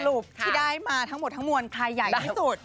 สรุปที่ได้มาท้องหมวนใครใหญ่ที่สุด